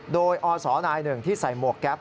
โดยอศนายหนึ่งที่ใส่หมวกแก๊ป